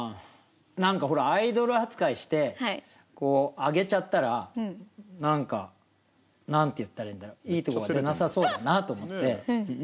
なんかほら、アイドル扱いして、こう、上げちゃったら、なんか、なんて言ったらいいんだろ、いいところが出なさそうだなと思って。